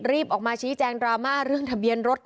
รีบออกมาชี้แจงดราม่าเรื่องทะเบียนรถ